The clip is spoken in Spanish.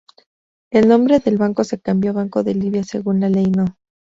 El nombre del Banco se cambió a Banco de Libia según la Ley no.